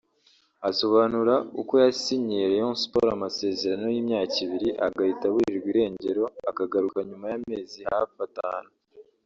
Asobanura uko yasinyiye Rayon Sports amasezerano y’imyaka ibiri agahita aburirwa irengero akagaruka nyuma y’amezi hafi atanu